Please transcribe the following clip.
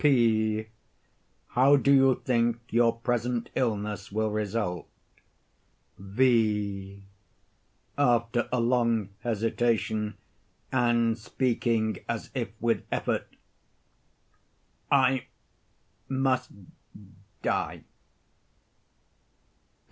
P. How do you think your present illness will result? V. [After a long hesitation and speaking as if with effort.] I must die.